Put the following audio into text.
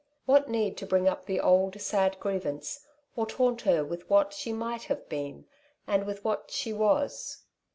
What need to bring up the old, sad grievance, or taunt her with what she might have been, and with what she was